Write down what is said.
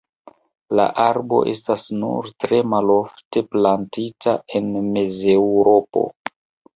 La arbo estas nur tre malofte plantita en Mezeŭropo.